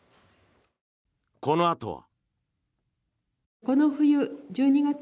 このあとは。